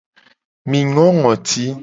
Mi ngo ngoti.